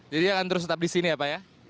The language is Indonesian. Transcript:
jadi akan terus tetap di sini ya pak ya